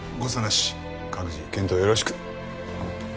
各自健闘よろしく。